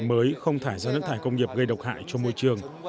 các công nghiệp mới không thải ra nước thải công nghiệp gây độc hại cho môi trường